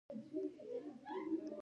آهنګر يو ټوپک ور واخيست.